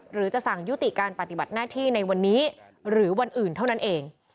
หรือจะสั่งยุติการปฏิบัติหน้าที่ในวันนี้หรือวันอื่นเท่านั้นเอง